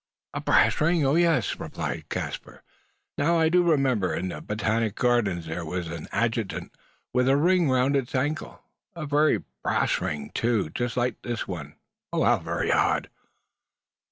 "A brass ring! Oh yes!" replied Caspar; "now I do remember. In the Botanic Gardens there was an adjutant with a ring round its ankle; a brass ring, too just like this one. How very odd!"